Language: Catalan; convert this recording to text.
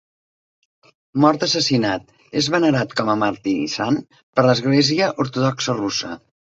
Mort assassinat, és venerat com a màrtir i sant per l'Església Ortodoxa Russa.